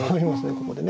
ここでね。